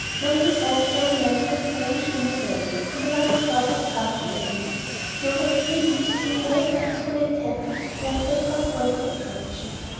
Monday brought the young men from the ranch in again; and another fortnight passed happily, Clover's three "leaves" being most faithfully attentive to their central point of attraction.